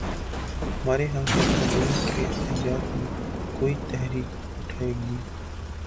ہمارے ہاں جب علوم کے احیا کی کوئی تحریک اٹھے گی۔